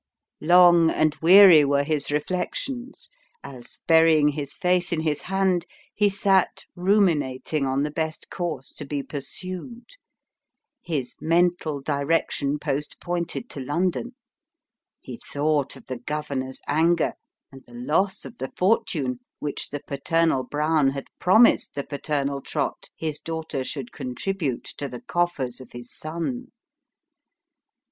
Long and weary were his reflections, as, burying his face in his hand, he sat, ruminating on the best course to be pursued. His mental direction post pointed to London. He thought of the " governor's " anger, and the loss of the fortune which the paternal Brown had promised the paternal Trott his daughter should contribute to the coffers of his son.